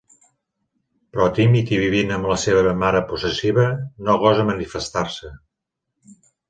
Però tímid i vivint amb la seva mare possessiva, no gosa manifestar-se.